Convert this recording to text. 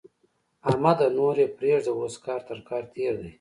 احمده! نور يې پرېږده؛ اوس کار تر کار تېر دی.